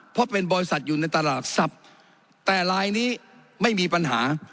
เพราะเป็นบริษัทอยู่ในตลาดทรัพย์แต่ลายนี้ไม่มีปัญหา